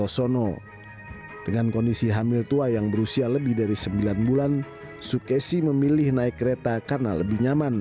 setelah sembilan bulan sukesi memilih naik kereta karena lebih nyaman